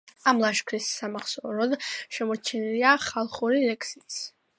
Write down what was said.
ამ ლაშქრის სამახსოვროდ შემორჩენილია ხალხური ლექსიც.